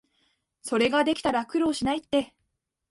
それができたら苦労しないって